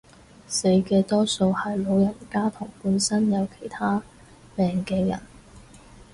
死嘅多數係老人家同本身有其他病嘅人